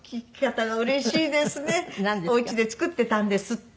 「お家で作ってたんですって？」。